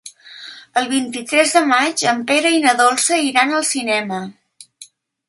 El vint-i-tres de maig en Pere i na Dolça iran al cinema.